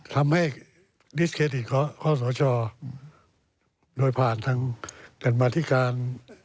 ทำให้นิสเครติกของพศโชโดยผ่านทั้งการมาธิการ